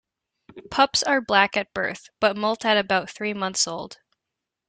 Pups are black at birth, but molt at about three months old.